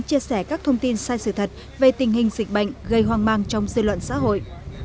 chia sẻ các thông tin sai sự thật về tình hình dịch bệnh gây hoang mang trong dư luận xã hội